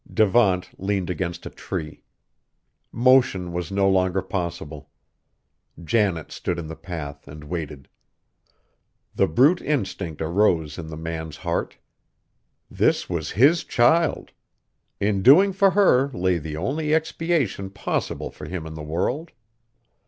Devant leaned against a tree. Motion was no longer possible. Janet stood in the path and waited. The brute instinct arose in the man's heart. This was his child! In doing for her lay the only expiation possible for him in the world.